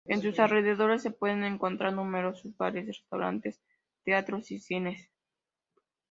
En sus alrededores se pueden encontrar numerosos bares, restaurantes, teatros y cines.